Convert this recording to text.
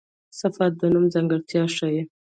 صفت د نوم ځانګړتیا ښيي.